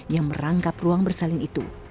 yang merangkap ruang bersalin itu